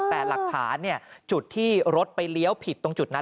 แต่หลักฐานจุดที่รถไปเลี้ยวผิดตรงจุดนั้น